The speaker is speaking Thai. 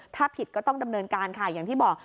ถ้าผิดก็ต้องดำเนินการค่ะอย่างที่บอก